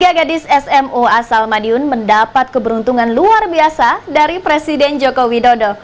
tiga gadis smo asal madiun mendapat keberuntungan luar biasa dari presiden joko widodo